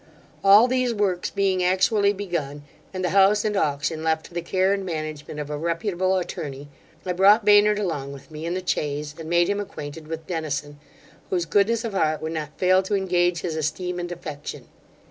All these works being actually begun, and the house and auction left to the care and management of a reputable attorney, I brought Baynard along with me in the chaise, and made him acquainted with Dennison, whose goodness of heart would not fail to engage his esteem and affection.